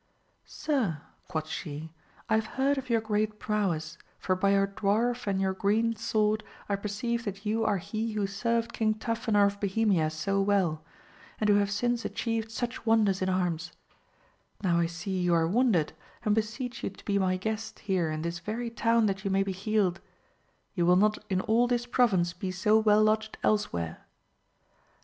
Sir, quoth she, I have heard of your great prowess, for by your dwarf and your green sword I perceive that you are he who served King Tafinor of Bohemia so well, and who have since atchieved such wonders in arms ; now I see you are wounded, and beseech you to be my guest here in this very town that you may be healed ; you will not in all this province be so well lodged elsewhere.